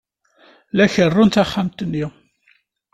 La kerrun taxxamt-nni.